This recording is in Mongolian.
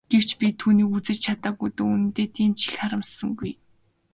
Гэвч би түүнийг үзэж чадаагүй дээ үнэндээ тийм ч их харамссангүй.